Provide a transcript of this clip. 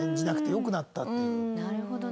なるほどね。